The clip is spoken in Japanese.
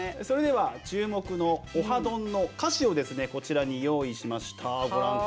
それでは注目の「オハどん」の歌詞をこちらに用意しました。